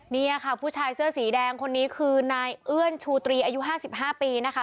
นี่ค่ะผู้ชายเสื้อสีแดงคนนี้คือนายเอื้อนชูตรีอายุ๕๕ปีนะคะ